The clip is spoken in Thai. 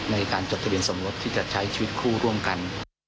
ในการจดทะเบียนสมรสที่จะใช้ชีวิตคู่ร่วมกัน